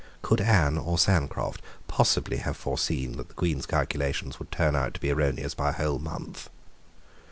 Could Anne or Sancroft possibly have foreseen that the Queen's calculations would turn out to be erroneous by a whole month?